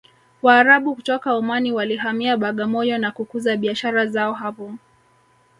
waarabu kutoka omani walihamia bagamoyo na kukuza biashara zao hapo